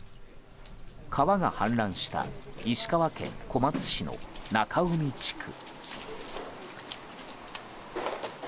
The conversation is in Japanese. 川が氾濫した石川県小松市の中海地区。